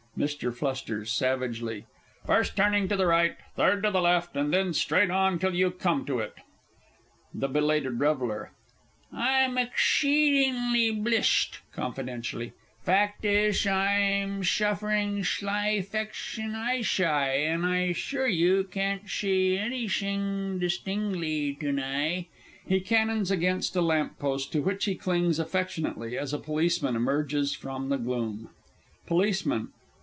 MR. F. (savagely). First turning to the right, third to the left, and then straight on till you come to it! THE B. R. I'm exsheedingly 'blished; (confidentially) fact ish, I'm shuffrin' shli' 'fection eyeshi', an' I 'shure you, can't shee anyshing dishtingly to ni'. (He cannons against a lamp post, to which he clings affectionately, as a Policeman emerges from the gloom.) POLICEMAN.